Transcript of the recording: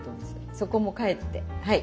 そこも返ってはい。